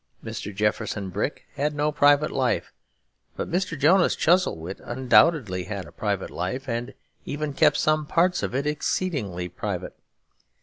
Mr. Jefferson Brick had no private life. But Mr. Jonas Chuzzlewit undoubtedly had a private life; and even kept some parts of it exceeding private.